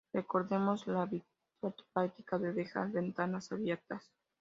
recordemos la habitual práctica de dejar ventanas abiertas